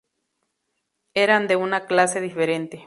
Eran de una clase diferente.